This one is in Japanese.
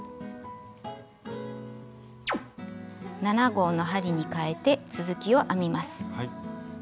７／０号の針にかえて続きを編みます。